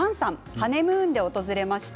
ハネムーンで訪れました。